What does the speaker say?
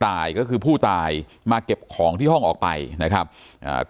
ตายก็คือผู้ตายมาเก็บของที่ห้องออกไปนะครับอ่า